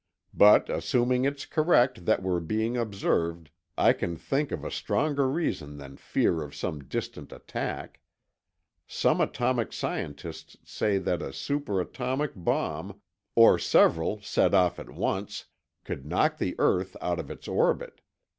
But assuming it's correct that we're being observed, I can think of a stronger reason than fear of some distant attack. Some atomic scientists say that a super atomic bomb, or several set off at once, could knock the earth out of its orbit.